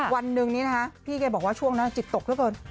วันหนึ่งนี้นะฮะพี่กันบอกว่าช่วงนั้นจิตตกด้วยก่อน